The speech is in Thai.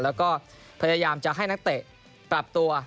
แล้วก็พยายามจะให้นักเตะปรับตัว